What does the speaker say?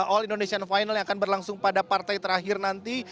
all indonesian final yang akan berlangsung pada partai terakhir nanti